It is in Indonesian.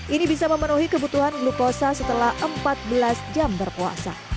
ini bisa memenuhi kebutuhan glukosa setelah empat belas jam berpuasa